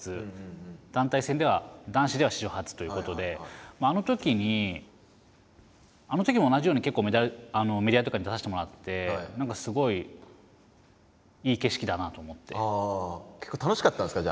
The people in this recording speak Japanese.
団体戦では男子では史上初ということであのときにあのときも同じように結構メディアとかに出させてもらってすごい結構楽しかったんですか？